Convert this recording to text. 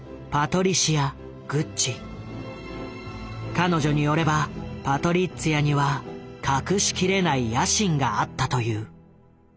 彼女によればパトリッツィアには隠し切れない野心があったという。